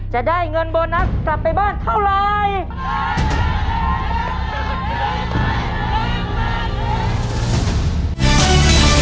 จะได้เงินโบนัสกลับไปบ้านเท่าไร